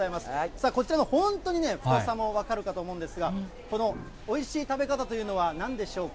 さあ、こちら、本当にね、太さも分かるかと思うんですが、このおいしい食べ方というのは、なんでしょうか。